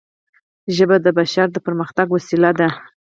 ژبه د بشر د پرمختګ وسیله ده